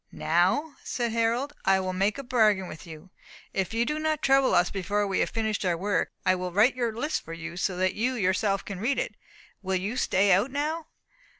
"Now," said Harold, "I will make a bargain with you. If you do not trouble us before we have finished our work, I will write your list for you so that you yourself can read it. Will you stay out now?"